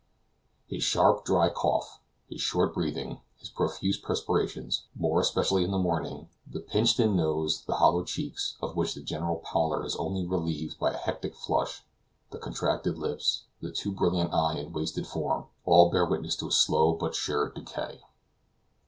His sharp, dry cough, his short breathing, his profuse perspirations, more especially in the morning; the pinched in nose, the hollow cheeks, of which the general pallor is only relieved by a hectic flush, the contracted lips, the too brilliant eye and wasted form all bear witness to a slow but sure decay.